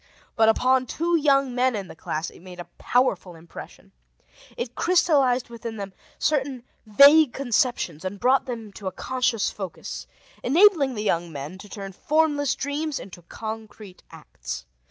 But upon two young men in the class, it made a powerful impression. It crystallized within them certain vague conceptions and brought them to a conscious focus, enabling the young men to turn formless dreams into concrete acts.